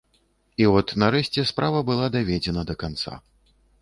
І от нарэшце справа была даведзена да канца.